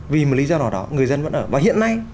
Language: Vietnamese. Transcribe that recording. vì một lý do nào đó người dân vẫn ở và hiện nay